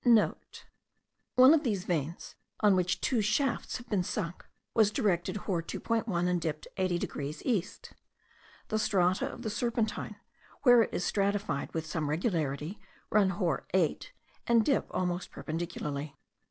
*(* One of these veins, on which two shafts have been sunk, was directed hor. 2.1, and dipped 80 degrees east. The strata of the serpentine, where it is stratified with some regularity, run hor. 8, and dip almost perpendicularly.